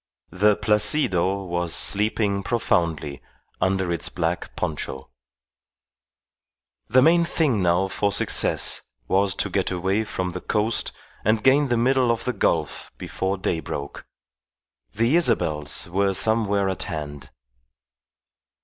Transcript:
The Placido was sleeping profoundly under its black poncho. The main thing now for success was to get away from the coast and gain the middle of the gulf before day broke. The Isabels were somewhere at hand.